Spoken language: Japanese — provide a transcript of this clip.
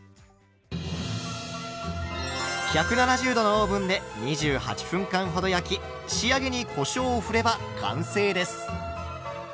１７０℃のオーブンで２８分間ほど焼き仕上げにこしょうをふれば完成です。